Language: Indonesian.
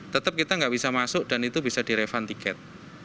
tetap kita nggak bisa masuk dan itu bisa direfan tiket